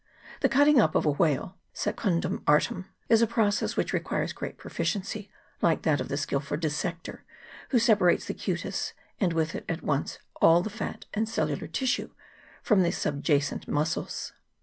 The "cutting up" of a whale, secundum artem, is a process which requires great proficiency, like that of the skilful dissector, who separates the cutis, and with it at once all fat and cellular tissue, from the subjacent muscles.